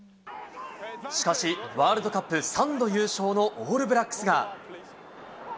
しかし、ワールドカップ３度優勝のオールブラックスが。